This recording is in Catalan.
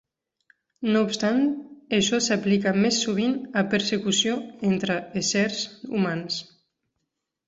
No obstant això s'aplica més sovint a persecució entre éssers humans.